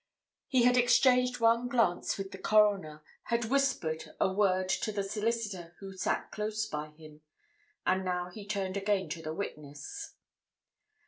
He had exchanged one glance with the Coroner, had whispered a word to the solicitor who sat close by him, and now he turned again to the witness.